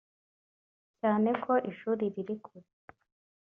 cyane ko ishuri riri kure